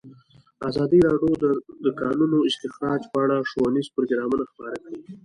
ازادي راډیو د د کانونو استخراج په اړه ښوونیز پروګرامونه خپاره کړي.